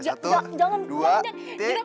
satu dua tik